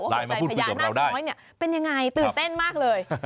หัวใจพญานาคน้อยเป็นยังไงตื่นเต้นมากเลย